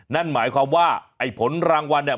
นั่นหมายความว่าไอ้ผลรางวัลเนี่ย